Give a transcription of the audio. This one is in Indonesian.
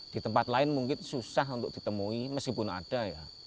di tempat lain mungkin susah untuk ditemui meskipun ada ya